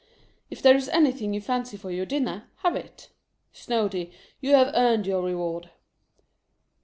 If there is anything you fancy for your dinner, have it. Snoady, you have earned your reward."